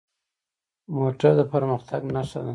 موټر د پرمختګ نښه ده.